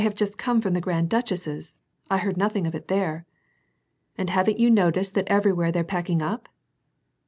191 "I have jxist come from the grand duchess's. I heard noth ing of it there." "And haven't you noticed that everywhere they're packing up?"